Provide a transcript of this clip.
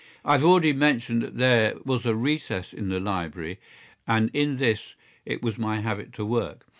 I have already mentioned that there was a recess in the library, and in this it was my habit to work.